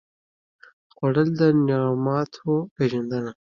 خوړل د نعماتو پېژندنه ده